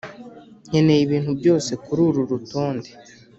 nkeneye ibintu byose kururu rutonde.